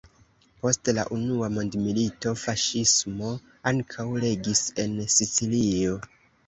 Post la Unua mondmilito, faŝismo ankaŭ regis en Sicilio.